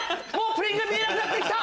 プリンが見えなくなってきた！